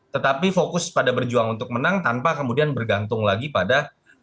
tetapi fokus pada berjuang untuk menang tanpa kemudian bergantung lagi pada